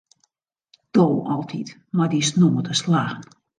Do altyd mei dyn snoade slaggen.